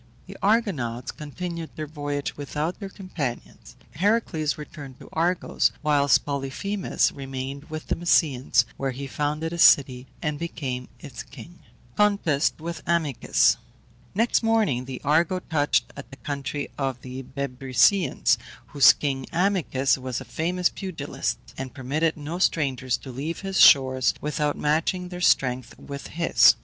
The Argonauts continued their voyage without their companions; Heracles returned to Argos, whilst Polyphemus remained with the Mysians, where he founded a city and became its king. CONTEST WITH AMYCUS. Next morning the Argo touched at the country of the Bebrycians, whose king Amycus was a famous pugilist, and permitted no strangers to leave his shores without matching their strength with his.